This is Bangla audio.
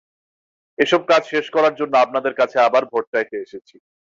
এসব কাজ শেষ করার জন্য আপনাদের কাছে আবার ভোট চাইতে এসেছি।